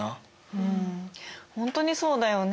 うん本当にそうだよね。